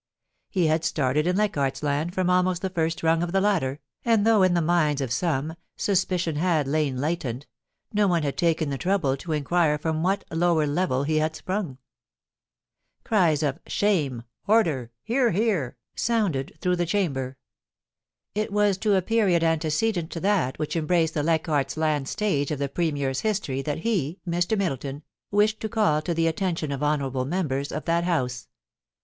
He had started in Leichardt's Land from almost the first rung of the ladder, and though in the minds of some, suspicion had lain latent, no one had taken the trouble to inquire from what lower level he had sprung. Cries of * Shame!' 'Order!' * Hear, hearl' sounded \ THE IMPEACHMENT OF THE PREMIER. 405 through the Chamber. ... It was to a period antecedent to that which embraced the Leichardt's Land stage of the Premier's history that he, Mr. Middleton, wished to call the attention of honourable members of that House.